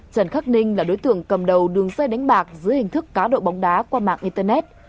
trần khắc ninh là đối tượng cầm đầu đường dây đánh bạc dưới hình thức cá độ bóng đá qua mạng internet